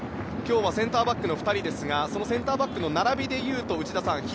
今日はセンターバックの２人ですがそのセンターバックの並びでいうと内田さん